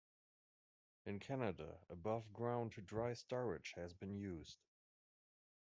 In Canada, above-ground dry storage has been used.